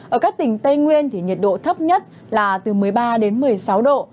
ở các tỉnh tây nguyên thì nhiệt độ thấp nhất là từ một mươi ba đến một mươi sáu độ